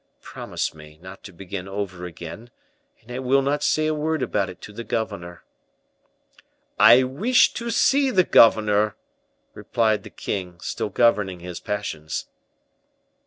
Promise me not to begin over again, and I will not say a word about it to the governor." "I wish to see the governor," replied the king, still governing his passions.